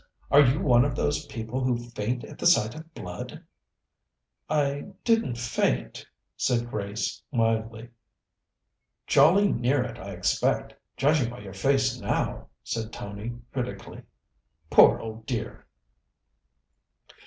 Are you one of those people who faint at the sight of blood?" "I didn't faint," said Grace mildly. "Jolly near it, I expect, judging by your face now," said Tony critically. "Poor old dear!"